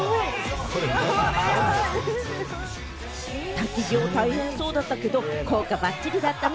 滝行大変そうだったけれども、効果ばっちりだったね！